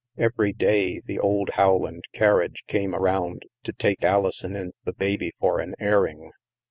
Every day, the old Howland carriage came around to take Alison and the baby for an airing.